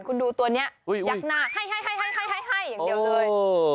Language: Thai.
คุณดูตัวนี้ยักหน้าให้อย่างเดียวเลย